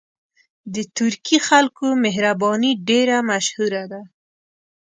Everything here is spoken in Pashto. د ترکي خلکو مهرباني ډېره مشهوره ده.